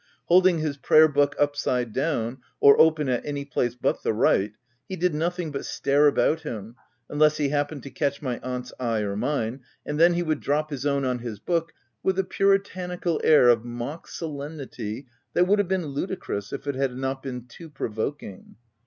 Holding his prayer book upside down, or open at any place but the right, he did nothing but stare about him, unless he happened to catch my aunt's eye or mine, and then he would drop his. own on hi? book, with a puritanical air of mock solemnity that would have been ludicrous, if it had not been too provoking.